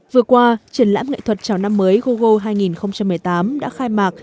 vừa qua triển lãm nghệ thuật trào năm mới google hai nghìn một mươi tám đã khai mạc